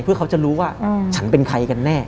เพื่อเขาจะรู้ว่าฉันเป็นใครกันแน่